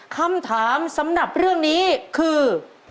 คำถามสำหรับเรื่องนี้คือ